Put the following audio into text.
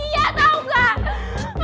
ya tahu gak